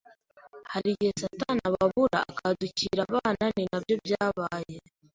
hari igihe satani ababura akadukira abana ni na byo byabaye